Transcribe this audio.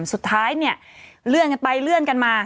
สุดท้ายเนี่ยเลื่อนกันไปเลื่อนกันมา